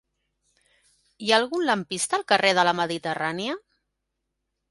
Hi ha algun lampista al carrer de la Mediterrània?